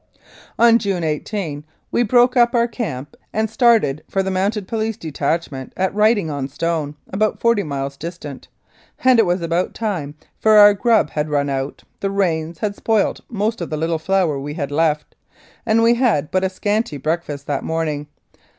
On June 18 we broke up our camp and started for the Mounted Police detachment at Writing on Stone, about forty miles distant, and it was about time, for our grub had run out, the rains had spoilt most of the little flour we had left, and we had but a scanty break fast that morning.